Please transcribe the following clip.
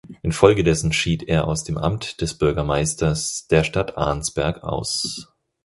Infolgedessen schied er aus dem Amt des Bürgermeisters der Stadt Arnsberg aus.